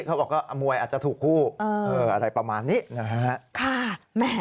เขาบอกว่ามวยอาจจะถูกคู่อะไรประมาณนี้นะฮะ